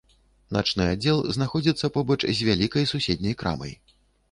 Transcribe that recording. Начны аддзел знаходзіцца побач з вялікай суседняй крамай.